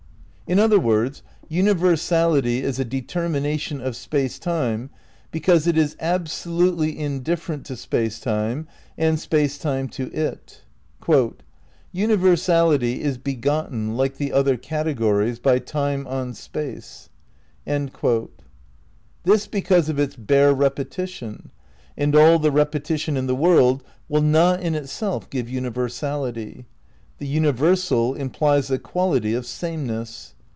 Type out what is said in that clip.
"' In other words, universality is a determination of Space Time because it is absolutely indifferent to Space Time and Space Time to it. "Universality is ... begotten like the other categories by Time on Space."' This because of its bare repetition, and all the repe tition in the world will not in itself give universality. The universal implies the quality of sameness.